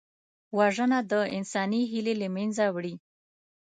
وژنه د انساني هیلې له منځه وړي